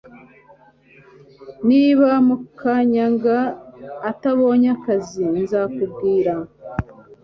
Niba Makanyaga atabonye akazi nzakubwira